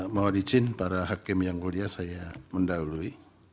mohon izin para hakim yang mulia saya mendahului